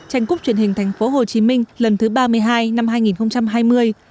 tranh cúp truyền hình tp hcm lần thứ ba mươi hai năm hai nghìn hai mươi